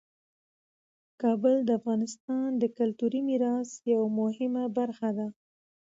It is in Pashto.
کابل د افغانستان د کلتوري میراث یوه مهمه برخه ده.